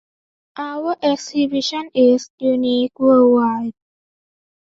Our exhibition is unique world wide .